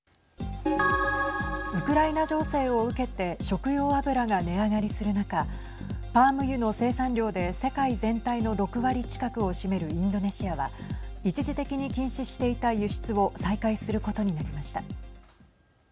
ウクライナ情勢を受けて食用油が値上がりする中パーム油の生産量で世界全体の６割近くを占めるインドネシアは一時的に禁止していた輸出を再開することになりました。